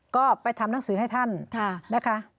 ก็ไปทำหนังสือให้ท่านนะคะ